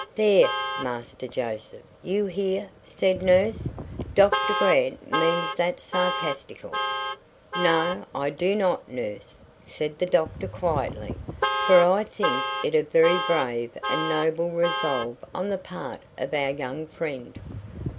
"There, Master Joseph, you hear," said nurse. "Doctor Grant means that sarcastical." "No, I do not, nurse," said the doctor quietly; "for I think it a very brave and noble resolve on the part of our young friend."